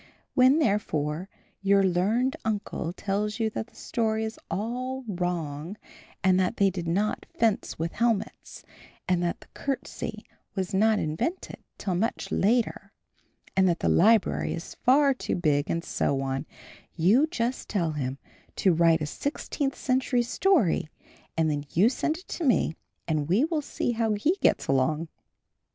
When, therefore, your learned uncle tells you that the story is all wrong and that they did not fence with helmets and that the curtsey was not invented till much later and that the library is far too big and so on; you just tell him to write you a sixteenth century story and then you send it to me, and we will see how he gets along.